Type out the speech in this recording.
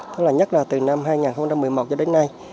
thứ nhất là từ năm hai nghìn một mươi một cho đến nay